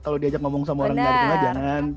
kalau diajak ngomong sama orang dari rumah jangan